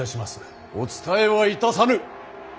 お伝えはいたさぬ。